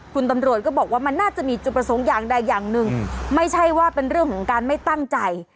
คุณตำรวจก็บอกว่ามันน่าจะมีจุดประสงค์อย่างใดอย่างหนึ่งไม่ใช่ว่าเป็นเรื่องของการไม่ตั้งใจ